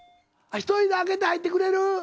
１人で開けて入ってくれる？